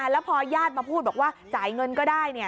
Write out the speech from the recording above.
แล้วพอญาติมาพูดบอกว่าจ่ายเงินก็ได้